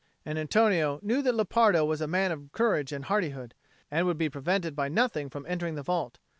And Antonio knew that Lepardo was a man of courage and hardihood, and would be prevented by nothing from entering the vault.